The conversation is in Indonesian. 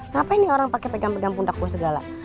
ngapain nih orang pake pegang pegang puntak gue segala